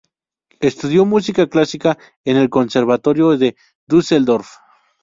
Estudió música clásica en el conservatorio de Düsseldorf.